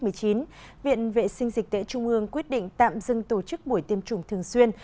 viện vệ sinh dịch tễ trung ương quyết định tạm dừng tổ chức buổi tiêm chủng thường xuyên